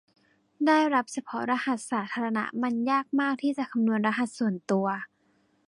ได้รับเฉพาะรหัสสาธารณะมันยากมากที่จะคำนวณรหัสส่วนตัว